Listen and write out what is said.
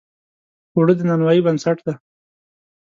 اوړه د نانوایۍ بنسټ دی